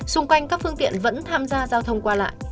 xung quanh các phương tiện vẫn tham gia giao thông qua lại